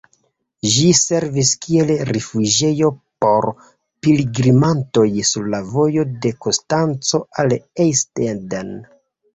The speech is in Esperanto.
Ĝi servis kiel rifuĝejo por pilgrimantoj sur la vojo de Konstanco al Einsiedeln.